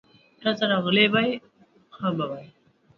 که زه راغلی وای، ښه به وای.